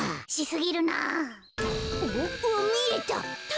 おっみえた。